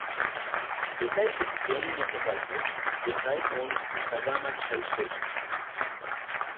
Besides its gaming enterprises, the tribe owns the Sagamok Shell Station.